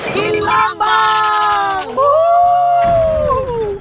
กินร้านปัง